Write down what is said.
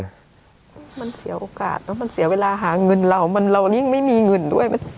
มันเสียโอกาสเนอะมันเสียเวลาหาเงินเรามันเรายิ่งไม่มีเงินด้วย